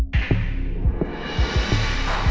กลับไปกัน